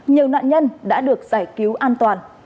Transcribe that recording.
nhiều nạn nhân đã được giải cứu an toàn